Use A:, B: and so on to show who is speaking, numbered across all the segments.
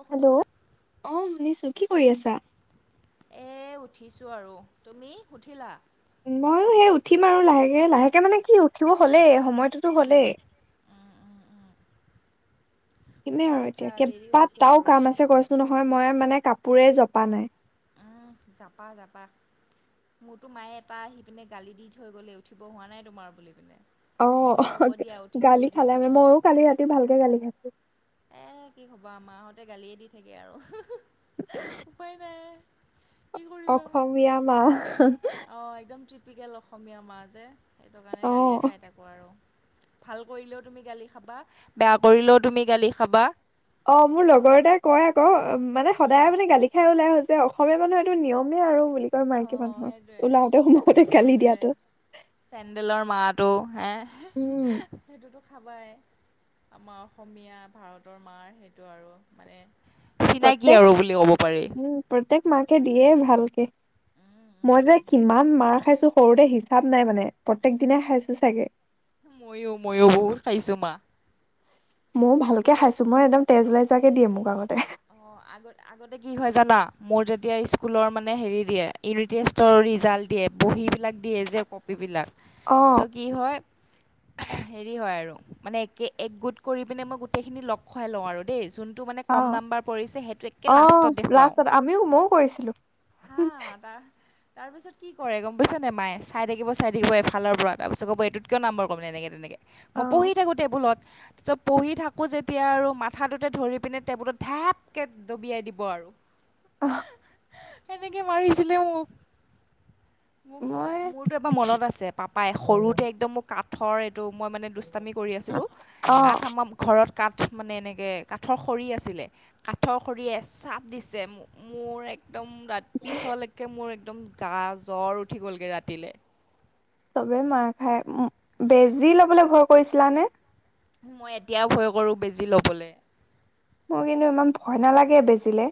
A: অ
B: hello,
A: শুনিছা
B: অ' শুনিছো কি কৰি আছা?
A: এ উঠিছোঁ আৰু, তুমি উঠিলা।
B: ময়ো সেই উঠিম আৰু লাহেকে লাহেকে মানে কি উঠিব হ'লেই, সময়টোতো
A: উম,
B: হ'লেই।
A: উম, উম, উম।
B: উঠিমে
A: উঠা
B: আৰু
A: উঠা
B: এতিয়া
A: দেৰি হৈছে
B: কেবাটাও
A: আৰু
B: কাম আছে কৈছোঁ নহয় মই। মানে কাপোৰে জপা নাই।
A: উম, জাপা জাপা। মোৰতো মায়ে এটা আহি পিনে গালি দি থৈ গ'লেই উঠিব হোৱা নাই তোমাৰ বুলি পিনে।
B: অ'
A: মই বোলো হ'ব দিয়া উঠিছোঁ
B: গালি খালে
A: উঠিছোঁ
B: মানে মইও কালি ৰাতি ভালকে গালি খাইছোঁ।
A: এ কি ক'বা মাহঁতে গালিয়ে দি থাকে আৰু। উপায় নাই
B: অসমীয়া মাঁ।
A: অ' একদম ক্ৰিপিকেল অসমীয়া মাঁ যে, সেইটো কাৰণে গালিয়ে খাই থাকোঁ আৰু। ভাল কৰিলেও তুমি গালি খাবা, বেয়া কৰিলেও তুমি গালি খাবা।
B: অ' মোৰ লগৰ এটাই কয় আকৌ মানে
A: উম,
B: সদায় মানে গালি খাই ওলাই আহিলি যে অসমীয়া মানুহ এইটো নিয়মে আৰু বুলি। কি কয় মাইকী
A: অ'
B: মানুহৰ,
A: সেইটোৱে
B: ওলাওঁতে সোমাওঁতে গালি দিয়াটো।
A: চেন্দেলৰ মাৰটো হে।
B: উম
A: খাবাই, আমাৰ অসমীয়া ভাৰতৰ মাৰ সেইটো আৰু মানে। চিনাকি
B: প্ৰত্যেক,
A: আৰু বুলি ক'ব পাৰি।
B: উম, প্ৰত্যেক মাকে দিয়ে ভাল মই যে
A: সেইটোৱে
B: কিমান মাৰ খাইছো সৰুতে হিচাপ নাই মানে প্ৰত্যেক দিনই খাইছো চাগে।
A: মইওঁ মইওঁ বহুত খাইছো, মা
B: ময়ো ভালকে
A: আগতে
B: খাইছো। মই একদম তেজ ওলাই জোৱাকে দিয়ে মোক আগতে।
A: অ' আগত আগতে কি হয় জানা? মোৰ যেতিয়া স্কুলৰ মানে হেৰি দিয়ে ইউনিট টেষ্টৰ ৰিজাল্ট দিয়ে বহীবিলাক দিয়ে যে কপিবিলাক,
B: অ
A: ত' কি হয় হেৰি হয় আৰু মানে এক একগোট কৰি পিনে মই গোটেইখিনি লগ খুৱাই লওঁ আৰু দেই চোন [unintelligible] মানে কম
B: অ
A: দাম
B: অ' লাষ্টত আমিও মইও কৰিছিলোঁ।
A: হা তাৰ তাৰপিছত কি কৰে গ'ম পাইছেনে মাই চাই থাকিব চাই থাকিব এফালৰ পৰা তাৰপাছত ক'ব এইটোত কিয় নাম্বৰ কমিলে [unintelligible]
B: অ
A: মই পঢ়ি থাকোঁ টেবুলত, তাৰপিছত পঢ়ি থাকোঁ যেতিয়া আৰু মাথাটোতে ধৰি পিনে টেবুলত ঢাপকৈ ডবিয়াই দিব আৰু।
B: অ'।
A: এনেকে মাৰছিলিলে মোক। মোকতো
B: মই
A: মোৰতো এবাৰ মনত আছে। পাপাই সৰুতে একদম মোক কাঠৰ তটো মই মানে দুষ্টামি কৰি আছিলোঁ,
B: অ
A: কাঠ আমাৰ ঘৰত কাঠ মানে এনেকৈ কাঠৰ খৰি আছিলে কাঠৰ খৰিয়ে এচাপ দিছে মোক। মোৰ এক্দম তাত পিছলৈকে মোৰ একদম গা জ্বৰ উঠি গ'লগৈ ৰাতিলৈ।
B: চবে মাৰ খাই, বেজি ল'বলৈ ভয় কৰিছিলানে?
A: মই এতিয়াওঁ ভয় কৰোঁ বেজী ল'বলৈ।
B: মোৰ কিন্তু ইমান ভয় নালাগে বেজীলে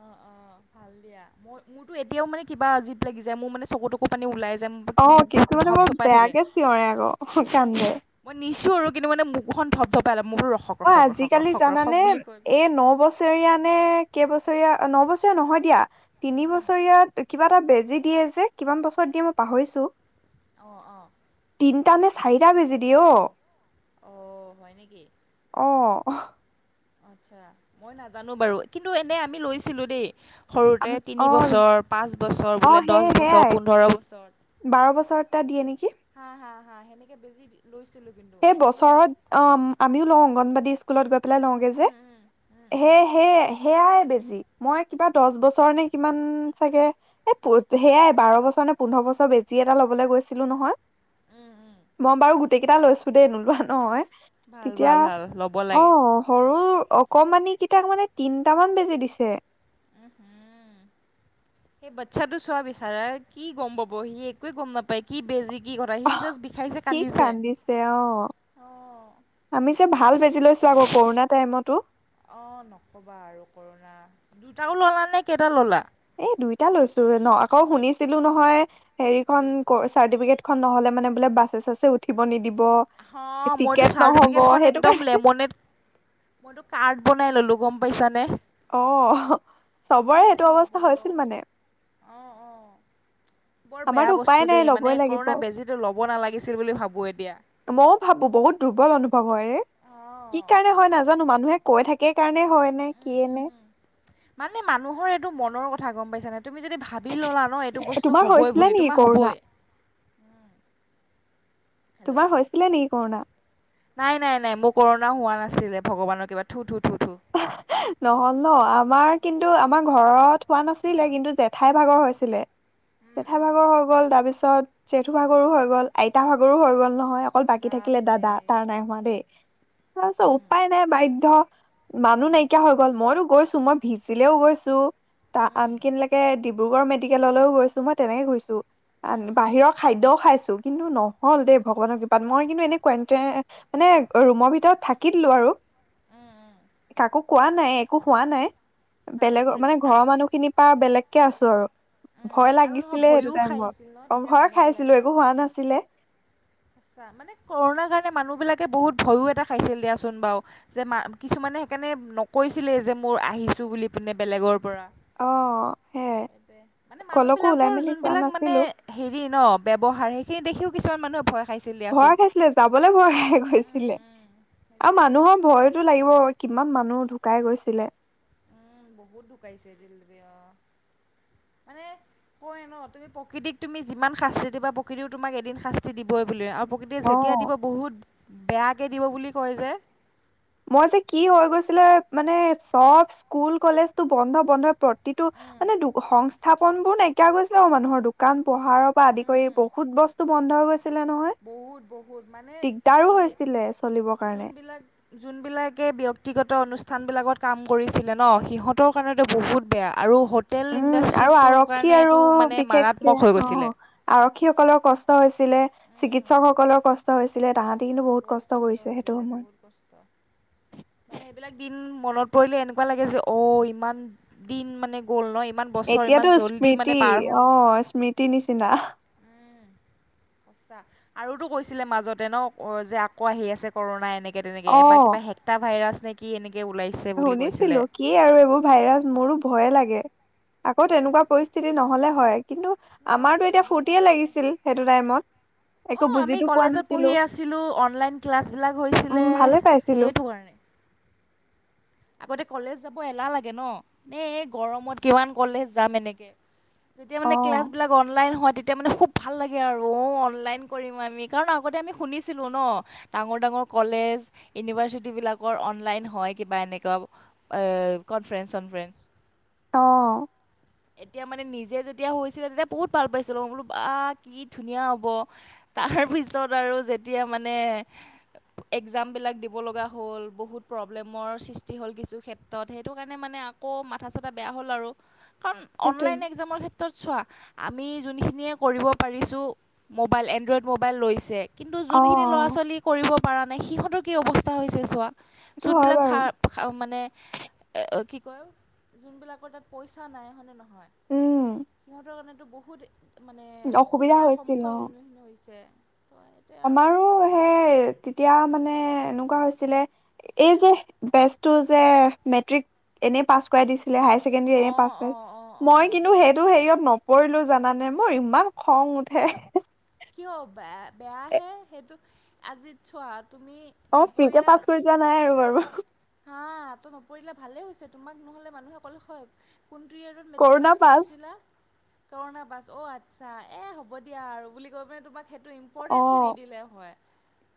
A: অ' অ' ভাল দিয়া, মই মোৰতো এতিয়াও মানে কিবা জীপ লাগি যায়, মোৰ মানে চকু তকু পানী ওলাই যায়,
B: অ
A: মোৰ বুকুটো
B: কিছুমানে বৰ
A: ধপধপাই থাকে,
B: বেয়াকে চিঞৰে আকৌ কান্দে
A: অ' দিছো আৰু কিন্তু মানে বুকুখন ধপধপালে
B: অ' আজিকালি জানানে
A: কৈ পিনে
B: এই ন বছৰীয়া নে কেইবছৰ ৰিয়া, ন বছৰ নহয় দিয়া, তিনি বছৰ কিবা এটা বেজি দিয়ে যে, কিমান বছৰ দিয়ে মই পাঁহৰিছো।
A: অঁ অঁ
B: তিনিটা নে চাৰিটা বেজি দিয়ে অ'।
A: অ' হয় নেকি?
B: অ'
A: আচ্ছা, মই নাজানো বাৰু, কিন্তু এনে আমি লৈছিলো দেই।
B: আম
A: সৰুতে তিনি
B: অ
A: বছৰ পাঁচ বছৰ
B: অ
A: বোলে দহ
B: সেই
A: বছৰ
B: সেয়াই
A: পোন্ধৰ বছৰ
B: বাৰ বছৰত এটা দিয়ে নেকি?
A: হা হা হা সেনেকে বেজি দি লৈছিলোঁ কিন্তু
B: সেই
A: মোকো
B: বছৰত আমিওঁ লওঁ, অংগনবাদী স্কুলত গৈ পেলাই লওঁগে যে।
A: উম উম
B: সে সেয় সেয়াই বেজি। মই কিবা দহ বছৰ নে কিমান চাগে এ সেয়াই বাৰ বছৰ নে পোন্ধৰ বছৰ বেজি এটা ল'বলৈ গৈছিলো নহয়
A: উম
B: মই বাৰু গোটেই কেইটা লৈছো। দেই নোলোৱা নহয,
A: ভাল
B: তেতিয়া
A: ভাল ভাল ল'ব লাগে
B: অ' সৰু অকমানি কিটা মানে তিনটা মান বেজি দিছে।
A: উম হম সেই বাচ্ছাটো চোৱা বিচাৰা, কি গ'ম পাব সি একোৱে গ'ম নাপায় কি বেজি কি কথা সি জাষ্ট বিষাইছে
B: কি কান্দিছে অ'
A: অঁ
B: আমি যে ভাল বেজি [unintelligible] ছো আকৌ কৰোণা টাইমতো।
A: অ', নকবা আৰু কৰোণা। দুটাও ল'লা নে কেইটা ল'লা?।
B: এই দুইটা লৈছো ন আকৌ শুনিছিলো নহয়, হেৰিখন
A: কি?
B: ক-চাৰ্টিফিকেট খন নহ'লে মানে বোলে বাছে চাছে উঠিব নিদিব
A: হা মইতো
B: টিকেট নহ'ব
A: চাৰ্টিফিকেটখন
B: সেইটো কাৰণে
A: একদম লেমনেট মইতো কাৰ্ড বনাই ল'লো গম পাইছানে।
B: অ [inaudible]
A: কি
B: চবৰে
A: যে
B: এইটো
A: হ'ব
B: অৱস্থা হৈছিল মানে।
A: অঁ অঁ বৰ বেয়া
B: আমাৰতো উপায়
A: বস্তু
B: নাই
A: দেই মানে
B: ল'বই লাগিব
A: কৰোণা বেজিতো ল'ব নালাগিছিল বুলি ভাবো এতিয়া।
B: ময়ো ভাবো বহুত দুৰ্বল অনুভৱ হয় ৰে। কি কাৰণে
A: অঁ
B: হয়
A: চব
B: নাজানো, মানুহে কৈ থাকে কাৰণে হয় নে কিয়ে নে
A: মানে মানুহৰ এইটো মনৰ কথা গ'ম পাইছ নে? তুমি যদি ভাবি ল'লা ন, এইটো বস্তু
B: তোমাৰ
A: হ'বই
B: হৈছিলে
A: বুলি
B: নেকি
A: তোমাৰ
B: কৰোণা
A: হ'বই।
B: তোমাৰ
A: হেল্ল'
B: হৈছিলে নেকি কৰোণা
A: নাই নাই নাই মোৰ ক'ৰোণা হোৱা নাই। আছিলে ভগৱানৰ কিবা, থু থু থু
B: নহ'ল ন, আমাৰ কিন্তু আমাৰ ঘৰত হোৱা নাছিলে। কিন্তু জেঠাই ভাগৰ হৈছিলে। জেঠা ভাগৰ হৈ গ'ল, তাৰ পিছত জেঠু ভাগৰো হৈ গ'ল, আইতা ভাগৰো হৈ গ'ল নহয়। অকল বাকী থাকিলে
A: বাপৰে
B: দাদা। তাৰ নাই হোৱা দেই, তাৰপিছত উপায় নাই বাধ্য। মানুহ নাইকিয়া হৈ গ'ল ময়ো গৈছোঁ মই ভিজিলেও গৈছোঁ, তা আনকিনলেকে ডিব্ৰুগড় মেডিকেললৈও গৈছোঁ মই তেনেকে গৈছোঁ, আন-বাহিৰৰ খাদ্যও খাইছোঁ কিন্তু নহ'ল। দেই ভগৱানৰ কৃপাত মই কিন্তু এনে কুৱেন্তে মানে ৰুমৰ ভিতৰত থাকি দিলোঁ আৰু।
A: উম, উম।
B: কাকো কোৱা নাই একো কোৱা নাই,
A: ভাল
B: বেলেগক মানে
A: কৰিছা
B: ঘৰৰ মানুহখিনিৰ পাৰা বেলেগ কে আছোঁ আৰু।
A: উম
B: ভয়
A: আৰু নহয়
B: লাগিছিলে সেইটো
A: ভয়ো
B: টাইমত।
A: খাইছিল ন
B: অ',
A: তেতিয়া
B: ভয় খাইছিলোঁ একো হোৱা নাছিলে।
A: চা মানে কৰণাৰ কাৰণে মানুহবিলাকে বহুত ভয়ো এটা খাইছিল দিয়াচোন বাৰু যে মা কিছুমান মানে সেইকাৰণে নকৈছিলে যে মোৰ আহিছোঁ বুলি পিনে বেলেগৰ পৰা
B: অ', সে
A: মানে মানুহবিলাকৰ
B: যোৱা
A: যোনবিলাক মানে
B: নাছিলো
A: হেৰি ন ব্যৱহাৰ, সেইখিনি দেখিও কিছমান মানুহ ভয় খাইছিল দিয়াচোন
B: ভয় খাইছিলে যাবলৈ ভয় খাই
A: উম
B: গৈছিলে।
A: উম
B: আৰু
A: সেইটোৱে
B: মানুহৰ ভয় টো লাগিব বাৰু, কিমান মানুহ ঢুকাই গৈছিলে।
A: উম বহুত ঢুকাইছে [unintelligible] মানে কয় ন তুমি প্ৰকৃতিক তুমি যিমান শাস্তি দিবা প্ৰকৃতিও তোমাক এদিন শাস্তি দিব বোলে আৰু প্ৰকৃতিয়ে
B: অ
A: যেতিয়া দিব বহুত বেয়াকে দিব বুলি কয় যে।
B: মই যে কি হৈ গৈছিলে মানে চব স্কুল কলেজটো বন্ধ-বন্ধ প্ৰতিটো মানে দু-সংস্থাপনবোৰ নাইকিয়া গৈছিলে মানুহৰ দোকান পোহাৰৰ পৰা আদি কৰি বহুত বস্তু বন্ধ হৈ গৈছ
A: বহুত-বহুত মানে এই,
B: হৈছিলে চলিবৰ কাৰণে।
A: যোনবিলাক-যোনবিলাক কে ব্যক্তিগত অনুষ্ঠান বিলাকত কাম কৰিছিলে ন, সিহঁতৰ কাৰণেটো বহুত বেয়া। আৰু হোটেল
B: উম, আৰু
A: ইণ্ডাষ্ট্ৰিটোৰ
B: আৰক্ষী আৰু
A: কাৰণেতো মানে
B: বিশেষকে
A: মাৰাত্মক হৈ
B: অ',
A: গৈছিলে
B: আৰক্ষী সকলৰ কষ্ট হৈ ছিলে,
A: উম,
B: চিকিৎসকসকলৰ কষ্ট হৈছিলে তাহাত
A: বহুত কষ্ট হৈছিলে বহুত কষ্ট। মানে এইবিলাক দিন মনত পৰিলে এনেকুৱা লাগে যে অ', ইমান দিন মানে গ'ল ন ই
B: এতিয়াতো স্মৃতি অ', স্মৃতি নিচিনা।
A: সঁচা, আৰুটো কৈছিলে মাজতে ন যে আকৌ আহি আছে কৰোণা এনেক এনেকে তেনেকে এবাৰ কিবা হেক্টা ভাইৰাছ নে কি এনেক
B: শুনিছিলোঁ কি আৰু এইবোৰ ভাইৰাছ মোৰোঁ ভয়ে লাগে। আকৌ তেনেকুৱা
A: সঁচা
B: পৰিস্থিতি নহলে হয়। কিন্তু আমাৰটো
A: নালাগে
B: এতিয়া ফূৰ্তিয়ে লাগিছিল সেইটো টাইমত। একো
A: অ', আমি
B: বুজিতো পোৱা
A: কলেজত
B: নাছিলো
A: পঢ়ি আছিলোঁ, অনলাইন ক্লাছবিলাক
B: উম
A: হৈছিলে
B: ভালে পাইছিলো
A: সেইটো কাৰণে। আগতে কলেজ যাব এলাহ লাগে ন, এ-এ গৰমত কিমান কলেজ যাম এনেকে। যেতিয়া
B: অ
A: মানে ক্লাছ বিলাক অনলাইন হয় তেত তেতিয়া মানে খুব ভাল লাগে আৰু অ' অনলাইন কৰিম আমি, কাৰণ আগতে আমি শুনিছিলোঁ ন, ডাঙৰ-ডাঙৰ কলেজ, ইউনিভাৰ্চিটিবিলাকৰ অনলাইন হয় কিবা এনেক [unintelligible] এ কনফ্ৰেঞ্চ চনফ্ৰেঞ্চ
B: অ',
A: এতিয়া মানে নিজে যেতিয়া হৈছিলে তেতিয়া বহুত ভাল পাইছিলোঁ, মই বোলোঁ বা কি ধুনীয়া হ'ব তাৰপিছত আৰু যেতিয়া মানে এক্সামবিলাক দিব লগা হ'ল, বহুত প্ৰব্লেমৰ সৃষ্টি হ'ল কিছু ক্ষেত্ৰত সেইটো কাৰণে মানে আকৌ মাথা চাথা বেয়া হ'ল আৰু, কাৰণ
B: সেইটোৱে
A: অনলাইন এক্সামৰ ক্ষেত্ৰত চোৱা আমি যোনখিনিয়ে কৰিব পাৰিছোঁ, মোবাইল এনড্ৰইড মোবাইল লৈছে। কিন্তু
B: অ
A: যোনখিনি ল'ৰা ছোৱালী কৰিব পৰা নাই সিহঁতৰ কি অৱস্থা হৈছে চোৱা।
B: সেইটো হয়
A: যোনবিলাক
B: বাৰু
A: খা-খাৱ মানে [unintelligible] কি কয় যোনবিলাকৰ তাত পইচা নাইহনে নহয়
B: উম
A: সিহঁতৰ কাৰণে। টো বহুত মানে
B: অসুবিধা
A: অসুবিধাৰ
B: হৈছিল
A: সন্মুখৰ
B: অ
A: সন্মুখীন হৈছে। তো সেইটোৱে আৰু
B: আমাৰো সেই তেতিয়া মানে, তেনেকুৱা হৈছিলে এই যে বেচটো যে মেট্ৰিক এনে পাছ কৰাই দিছিল [inaudible] পাছ
A: অঁ অঁ অঁ
B: মই
A: অঁ
B: কিন্তু সেইটো হেৰিয়ত কৰিলো জানানে মোৰ ইমান খং উঠে।
A: কিয় বেয়া-বেয়াহে সেইটো আজিত চোৱা তুমি
B: অ, ফ্ৰী কেে
A: নপৰিলা
B: পাছ কৰি যোৱা নাই আৰু বাৰু।
A: হা আত নপৰিলে ভালে হৈছে তোমাক নহলে মানুহে অকল হয়, কোনটি এয়াৰত মেট্ৰিক পাছ কৰিছিলা? কৰণা বাছ অ আচ্ছা এ হ'ব দিয়া আৰু বুলি কৈ পানে তোমাক সেইটো
B: অ
A: ইম্পৰ্টেঞ্চ নিদিলে হয়,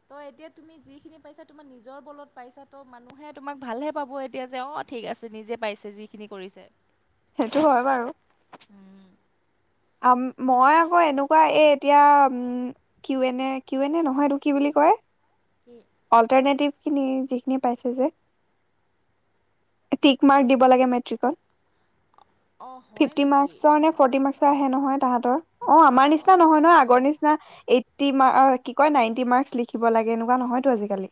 A: ত' এতিয়া তুমি যিখিনি পাইছা তোমাৰ নিজৰ বলত পাইছা ত' মানুহে তোমাক ভালহে পাব এতিয়া যে অ ঠিক আছে নিজে পাইছে যিখিনি কৰিছে।
B: সেইটো হয় বাৰু। আ, মই আকৌ এনেকুৱা এ এতিয়া উম কিউ এনে কিউ এনে নহয়তো কি বুলি [inaudible]
A: কি
B: অল্টাৰটিভ খিনি যিখিনি পছে যে, টিক
A: অল
B: মাৰ্ক দিব লাগে মেট্ৰিকত।
A: অঁ হয়
B: ফিফটি
A: নেকি
B: মাৰ্কৰ নে ফৰ্টি মাৰ্কৰ আহে নহয় তাহতৰ। অ, আমাৰ নিচিনা নহয় নহ আগৰ
A: অঁ।
B: নিচিনা এই [inaudible] কি কয় নাইণ্টি মাৰ্ক লিখিব লাগে এনেকুৱা নহয়তো আজিকালি।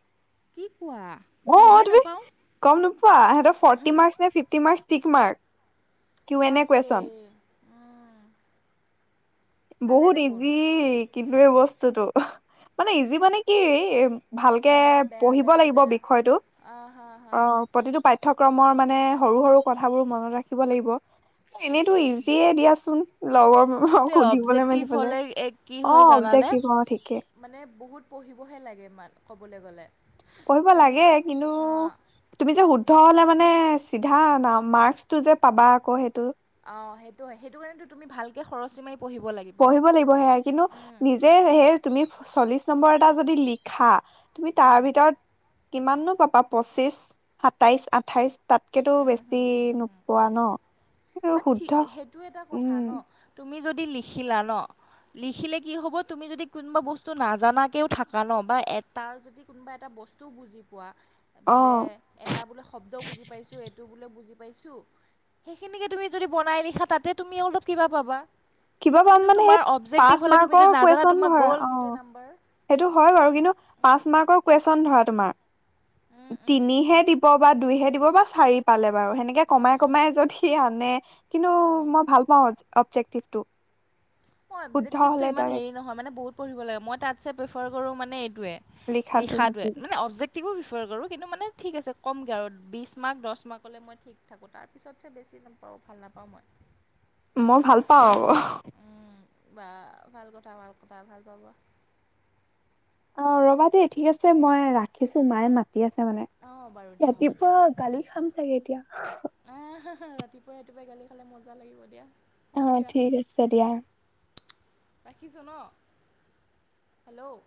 A: কি কোৱা মই
B: অ,
A: গমেই
B: তুমি
A: নাপাওঁ
B: গম নোপোৱা সিহঁতৰ ফৰ্টি
A: উহু।
B: মাৰ্ক ন ফিফটি মাৰ্ক ষ্টিক মাৰ্ক।
A: বাপৰে। উম ভালেই
B: বহুত
A: দেখোন।
B: ইজি কিন্ত এই বস্তুতটো মানে ইজি মানে কি ভালকে
A: বেয়া বেয়া
B: পঢ়িব
A: বেয়া
B: লাগিব
A: বেয়া
B: বিষয়টো
A: অ হা হা
B: অ প্ৰতিটো পাঠ্য় পাঠ্যক্ৰমৰ মানে সৰু সৰু কথাবোৰ মনত ৰাখিব লাগিব এনেইতো ইজিয়ে দিয়াচোন। লগৰ [inaudible]
A: সেইটোৱে অবজেক্টিভ
B: মেলিবলে
A: হলে এক কি
B: অ
A: হয় জানানে?
B: অবজেক্টিভ অ ঠিকে
A: মানে বহুত পঢ়িবহে লাগে ইমান ক'বলৈ গ'লে।
B: পঢ়িব
A: তুমি য
B: লাগে কিন্তু
A: হা
B: তুমি যে শুদ্ধ হলে মানে মানে চিধা ন মাৰ্কচ টো যে পাবা আকৌ সেইটো,
A: অ, সেইটো হয় সেইটো কাৰণেো তুমি ভালকে খৰচী মাৰি পঢ়িব লাগিব
B: পঢ়িব লাগিব সেয়াই কিন্তু
A: উম
B: নিজে সেই তুমি চল্লিশ নম্বৰ এটা যদি লিখা তুমি তাৰ
A: উম
B: ভিতৰত কিমাননো পাবা পঁচিশ সাতাইশ আঠাইশ, তাতকেতো বেছি নোপোৱা ন। এইটো
A: বাট
B: শুদ্ধ
A: সেইটো এটা কথা
B: উম
A: ন তুমি যদি লিখিলা ন, লিখিলে কি হ'ব তুমি যদি কোনোবা বস্তু নাজানাকেও থাককা ন বা এ তাৰ যদি কোনোবা এটা বস্তু বুজি পো
B: অ
A: এটা বো শব্দ বু এইটো বোলে বুজি পাইছো সেইখিনিকে তুমি য বনাই লিখা তাতে তুমি অলপ কিবা পাবা,
B: কিবা পাম
A: কিন্ত
B: মানে সেই
A: তোমাৰ
B: পাঁচ
A: অঞ্জেক্টিব হলে তুমি
B: মাৰ্কৰ
A: য নাজানা
B: কুৱেশচন
A: তোমাৰ
B: ধৰা
A: গ'ল
B: অ
A: গোটে নাম্বাৰ।
B: সেইটো হয় বাৰু কিন্তু পাঁচ মাৰ্কৰ কুৱেশ্বন ধৰা
A: উম উম উম
B: তিনিহে দিব বা দুইহে দিব বা চাৰি পালে, [inaudible] সেনেকে
A: উম
B: কমাই
A: উম
B: কমাই যদি আনে, কিন্তু মই ভাল পাওঁ [inaudible]
A: মই
B: শুদ্ধ
A: অভজেক্টিভটো
B: হলে
A: ইমান
B: ডাইৰেক্ট
A: হেৰী নহয়, মানে বহুত পঢ়িব লাগে মই তাৎসে প্ৰেফাৰ কৰোঁ মানে এই [inaudible] [inaudible]
B: লিখাটো নেকি
A: প্ৰিফাৰ কৰোঁ কিন্তু মানে ঠিক আছে কমগৈ আৰু বিশছ মাৰ্ক দহ মাৰ্কলৈ মই ঠিক থাকোঁ তাৰপিছত বেছি ভাল পাওঁ ভাল নাপাওঁ মই।
B: মই ভাল পাওঁ [inaudible]
A: বা ভাল কথা ভাল কথা ভাল পাব।
B: অ, ৰ'বা দেই ঠিক আছে মই ৰাখিছো, মায়ে মা তি আছে মানে,
A: অঁ বাৰু দিয়া হ'ব দিয়া
B: ৰাতিপুৱা গালি খাম চাগে এতিয়া।
A: আহ, ৰাতিপুৱাই-ৰাতিপুৱাই গালি খালে মজা লাগিব দিয়া।
B: অ,
A: হ'ব দিয়া
B: ঠিক আছে দিয়া।
A: ৰাখিছোঁ ন? হেল্ল'